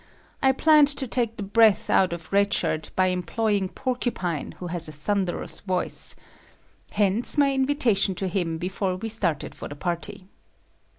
I planned to take the breath out of Red Shirt by employing Porcupine who has a thunderous voice. Hence my invitation to him before we started for the party.